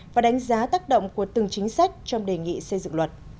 và đánh giá tác động của từng chính sách trong đề nghị xây dựng luật